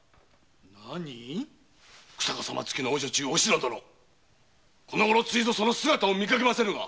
日下様づきのお女中おしの殿このごろついぞその姿を見かけませぬが！